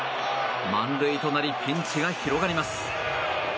満塁となりピンチが広がります。